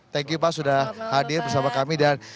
thank you pak sudah hadir bersama kami dan